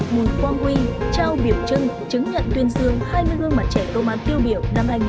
bùi quang huy trao biểu trưng chứng nhận tuyên dương hai mươi gương mặt trẻ công an tiêu biểu năm hai nghìn hai mươi ba